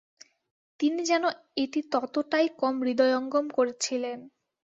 তিনি যেন এটি ততটাই কম হৃদয়ঙ্গম করছিলেন।